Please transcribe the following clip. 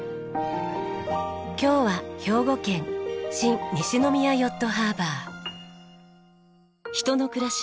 今日は兵庫県新西宮ヨットハーバー。